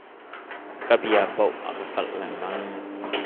Ka bia paoh a ka kalh lengmang.